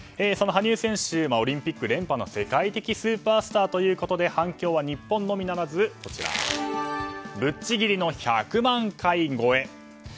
羽生選手はオリンピック連覇の世界的スーパースターということで反響は日本のみならずぶっちぎりの１００万回超え。